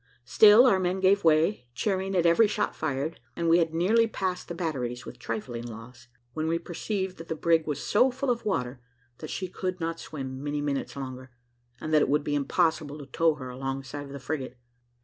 Still our men gave way, cheering at every shot fired, and we had nearly passed the batteries, with trifling loss, when we perceived that the brig was so full of water, that she could not swim many minutes longer, and that it would be impossible to tow her alongside of the frigate.